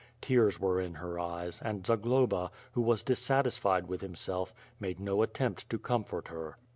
Tears were in her eyes and Zagloba, who was dissatisfied with himself, made no attempt to comfort her.